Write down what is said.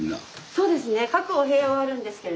そうですね。